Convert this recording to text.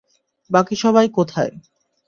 বাকি সবাই কোথায়?